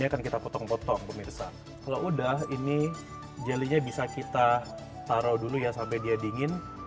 akan kita potong potong pemirsa kalau udah ini jelly nya bisa kita taruh dulu ya sampai dia dingin